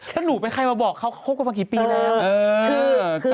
แล้วหนูเป็นใครมาบอกเขาคบกันมากี่ปีแล้ว